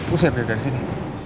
usir dia dari sini